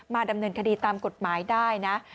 ดำเนินคดีตามกฎหมายได้นะ